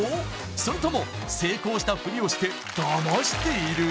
それとも成功したふりをしてダマしている？